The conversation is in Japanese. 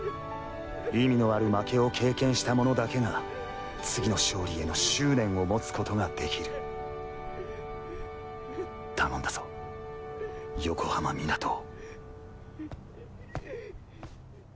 意味のある負けを経験した者だけが次の勝利への執念を持つことができる頼んだぞ横浜湊を！